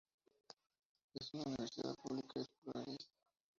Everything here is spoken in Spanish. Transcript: Es una universidad pública y pluralista.